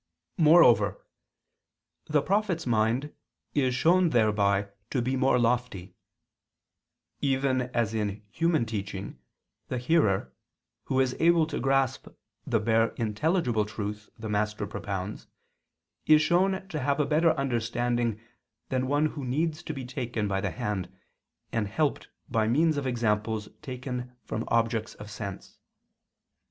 Moreover the prophet's mind is shown thereby to be more lofty: even as in human teaching the hearer, who is able to grasp the bare intelligible truth the master propounds, is shown to have a better understanding than one who needs to be taken by the hand and helped by means of examples taken from objects of sense.